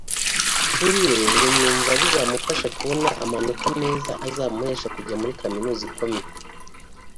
kuri we ngo yumva bizamufasha kubona amanota meza azamuhesha kujya muri kaminuza ikomeye